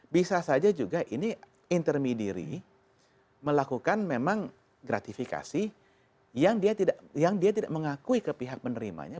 bisa saja juga ini intermediary melakukan memang gratifikasi yang dia tidak mengakui ke pihak menerimanya